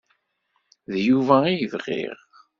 D Yuba i bɣiɣ.